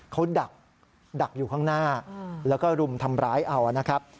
เขาดักอยู่ข้างหน้าแล้วก็รุมทำร้ายเอานะครับ